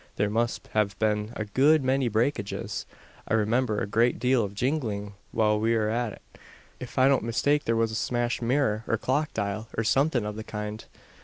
There must have been a good many breakages. I remember a great deal of jingling while we were at it. If I don't mistake there was a smashed mirror, or clock dial, or something of the kind."